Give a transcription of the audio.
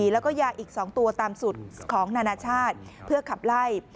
แล้วก็ยาอีก๒ตัวตามสุดของนานาชาติเพื่อขับไล่